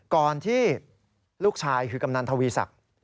ก่อนที่ลูกชายคือกำนันทวีศักดิ์